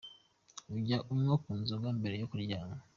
Ujya unywa ku nzoga mbere yo kuryama.